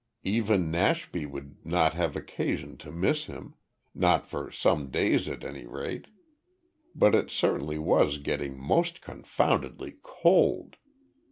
Even Nashby would not have occasion to miss him not for some days at any rate. But it certainly was getting most confoundedly cold.